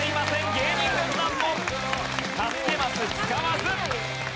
芸人軍団も助けマス使わず。